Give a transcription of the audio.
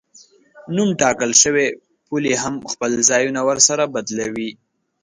نو ټاکل شوې پولې هم خپل ځایونه ورسره بدلوي.